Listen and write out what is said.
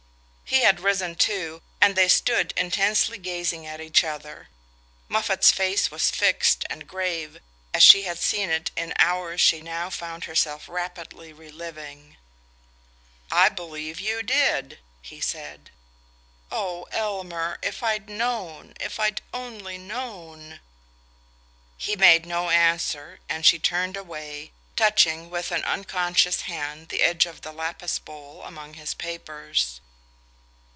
He had risen too, and they stood intensely gazing at each other. Moffatt's face was fixed and grave, as she had seen it in hours she now found herself rapidly reliving. "I believe you DID," he said. "Oh, Elmer if I'd known if I'd only known!" He made no answer, and she turned away, touching with an unconscious hand the edge of the lapis bowl among his papers.